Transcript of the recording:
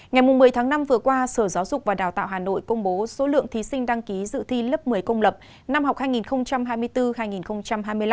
ngày một mươi tháng năm vừa qua sở giáo dục và đào tạo hà nội công bố số lượng thí sinh đăng ký dự thi lớp một mươi công lập năm học hai nghìn hai mươi bốn hai nghìn hai mươi năm